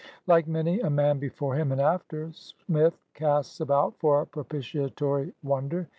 lake many a man before him and after. Smith casts about for a propitiatory wonder.